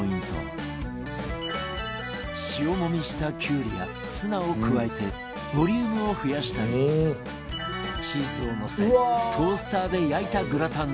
塩もみしたきゅうりやツナを加えてボリュームを増やしたりチーズをのせトースターで焼いたグラタンなど